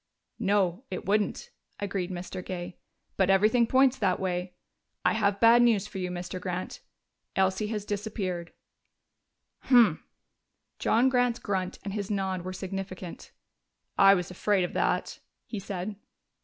"No, it wouldn't," agreed Mr. Gay. "But everything points that way. We have bad news for you, Mr. Grant: Elsie has disappeared." "Humph!" John Grant's grunt and his nod were significant. "I was afraid of that," he said.